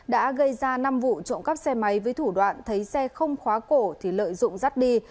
đã gây ra năm vụ trộm cắp xe máy với thủ đoạn thấy xe không khóa cổ thì lợi dụng rắt đi